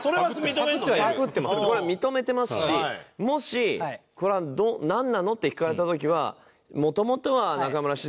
これは認めてますしもし「これはなんなの？」って聞かれた時は。